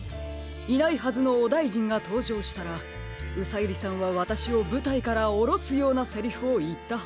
いないはずのオダイジンがとうじょうしたらうさゆりさんはわたしをぶたいからおろすようなセリフをいったはずです。